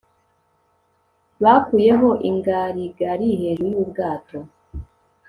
bakuyeho ingarigari hejuru yubwato